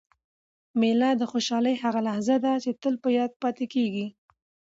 مېله د خوشحالۍ هغه لحظه ده، چي تل په یاد پاته کېږي.